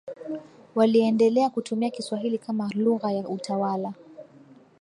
waliendela kutumia Kiswahili kama lugha ya utawala